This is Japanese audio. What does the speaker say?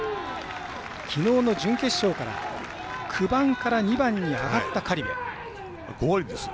きのうから９番から２番に上がった苅部。